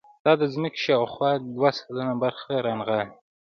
دا د ځمکې شاوخوا دوه سلنه برخه رانغاړي.